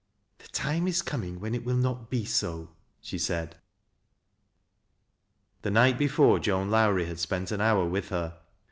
213 " Tlie time is coming when it will not be so,'" she said. The night before Joan Lowrie had spent an hour with her.